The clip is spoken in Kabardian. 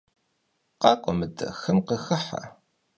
КъакӀуэ мыдэ, хым къыхыхьэ.